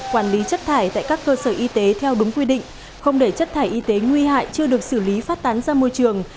quản lý chất thải tại các cơ sở y tế theo đúng quy định không để chất thải y tế nguy hại chưa được xử lý phát tán ra môi trường